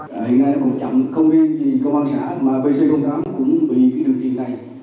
hiện nay nó còn chậm không biết gì công an xã mà pc tám cũng bị cái đường truyền này